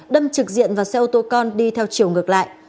đâm trực diện vào xe ô tô con đi theo chiều ngược lại